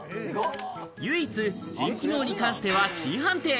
唯一、腎機能に関してはＣ判定。